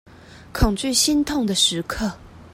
恐懼心痛的時刻